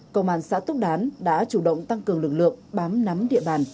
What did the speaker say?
công an xã túc đán đã chủ động tăng cường lực lượng bám nắm địa bàn